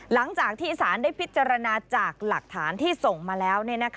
หลังจากที่สารได้พิจารณาจากหลักฐานที่ส่งมาแล้ว